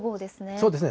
そうですね。